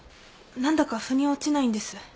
何だかふに落ちないんです。